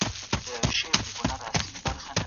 که موږ بې پروا واوسو نو شتمني مو له منځه ځي.